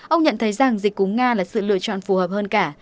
ông nhận thấy rằng dịch cúng nga là sự lựa chọn phù hợp hơn cả